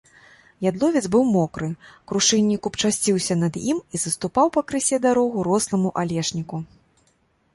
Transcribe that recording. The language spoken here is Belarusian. Ядловец быў мокры, крушыннік купчасціўся над ім і саступаў пакрысе дарогу росламу алешніку.